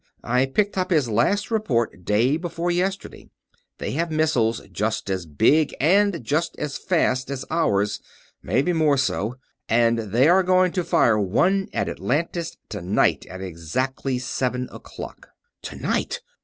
I picked up his last report day before yesterday. They have missiles just as big and just as fast as ours maybe more so and they are going to fire one at Atlantis tonight at exactly seven o'clock." "Tonight!